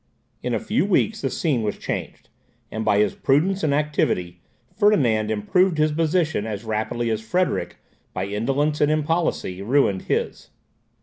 In a few weeks the scene was changed, and by his prudence and activity Ferdinand improved his position as rapidly as Frederick, by indolence and impolicy, ruined his.